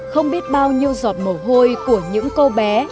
không biết bao nhiêu giọt mồ hôi của những cô bé